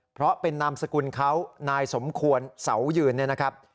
เพราะเป็นนามสกุลเขานายสมควรเสายืนเนี่ยนะครับ